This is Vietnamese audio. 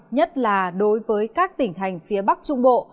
nhất là đối với các tỉnh thành phía bắc trung bộ